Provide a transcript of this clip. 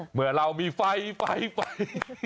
เหมือนเรามีไฟไฟไฟ